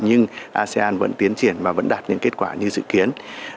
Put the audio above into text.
nhưng asean vẫn tiến triển và vẫn đạt những kết quả như dự kiến